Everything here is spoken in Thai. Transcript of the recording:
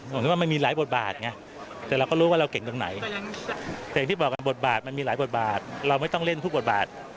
ผมคิดว่ามันมีหลายบทบาทไงแต่เราก็รู้ว่าเราเก่งตรงไหนแต่อย่างที่บอกบทบาทมันมีหลายบทบาทเราไม่ต้องเล่นทุกบทบาท